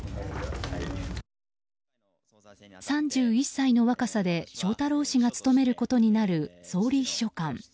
３１歳の若さで翔太郎氏が務めることになる総理秘書官。